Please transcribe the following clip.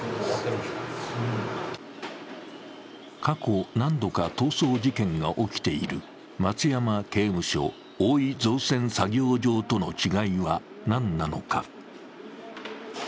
過去、何度か逃走事件が起きている松山刑務所・大井造船作業場との違いは何なのか。